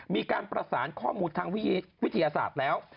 มีการประสานข้อมูลทางวิทยาศาสตร์แล้ว